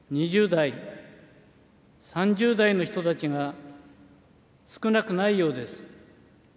２０代、３０代の人たちが少なくないようです。